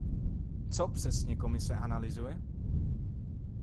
Co přesně Komise analyzuje?